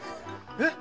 えっ？